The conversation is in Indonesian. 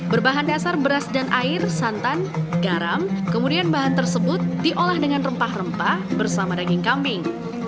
berbahan dasar beras dan air santan garam kemudian bahan tersebut diolah dengan rempah rempah bersama daging kambing